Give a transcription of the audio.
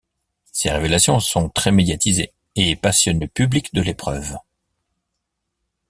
Ces révélations sont très médiatisées et passionnent le public de l'épreuve.